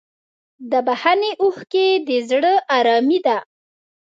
د بښنې اوښکې د زړه ارامي ده.